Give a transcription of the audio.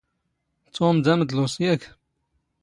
ⵜⵓⵎ ⴷ ⴰⵎⴹⵍⵓⵚ, ⵢⴰⴽ?